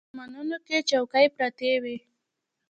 په چمنونو کې چوکۍ پرتې وې.